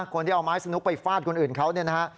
คนที่เอาไม้สนุกไปฟาดคนอื่นเขาเนี่ยนะฮะ